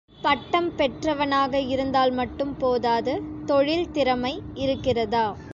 பட்டம் பெற்றவனாக இருந்தால் மட்டும் போதாது தொழில் திறமை இருக்கிறதா?